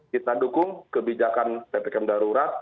kita dukung kebijakan ppkm darurat